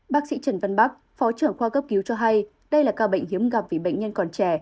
bác sĩ trần văn bắc phó trưởng khoa cấp cứu cho hay đây là ca bệnh hiếm gặp vì bệnh nhân còn trẻ